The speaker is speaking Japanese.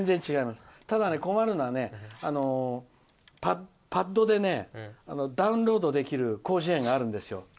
ただ、困るのはパッドでダウンロードできる広辞苑があるんですよ。